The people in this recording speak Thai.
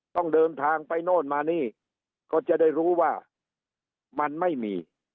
ต้องเดินทางไปโน่นมานี่ก็จะได้รู้ว่ามันไม่มี